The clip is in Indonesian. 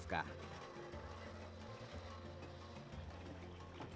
dan perahu juga untuk mencari nafkah